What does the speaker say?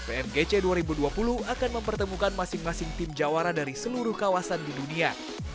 prgc dua ribu dua puluh akan mempertemukan masing masing tim jawara dari seluruh kawasan di dunia